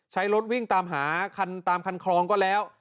ใช้รถวิ่งตามหาคันตามคันคลองก็แล้ว